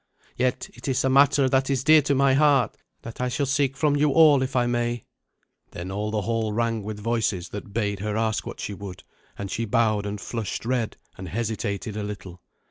Yet it is a matter that is dear to my heart that I shall seek from you all, if I may." Then all the hall rang with voices that bade her ask what she would; and she bowed and flushed red, and hesitated a little.